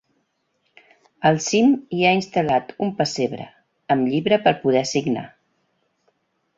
Al cim hi ha instal·lat un pessebre, amb llibre per poder signar.